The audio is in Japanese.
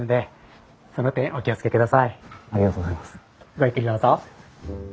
ごゆっくりどうぞ。